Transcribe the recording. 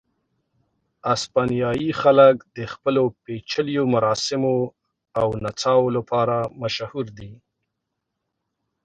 اسپانیایي خلک د خپلو پېچلیو مراسمو او نڅاو لپاره مشهور دي.